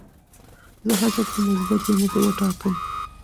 زه هڅه کوم مثبتې موخې وټاکم.